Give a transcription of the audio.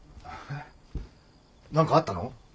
何かあったの？